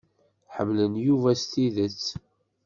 Ḥemmlen Yuba s tidet.